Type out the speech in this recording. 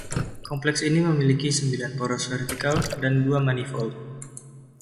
Kompleks ini memiliki sembilan poros vertikal; dan dua manifold.